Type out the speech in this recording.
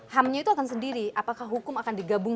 hamnya itu akan sendiri apakah hukum akan digabung